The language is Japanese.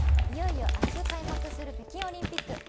いよいよ明日開幕する北京オリンピック。